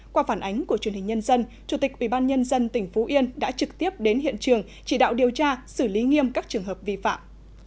qua phản ánh của truyền hình nhân dân chủ tịch ubnd tỉnh phú yên đã trực tiếp đến hiện trường chỉ đạo điều tra xử lý nghiêm các trường hợp vi phạm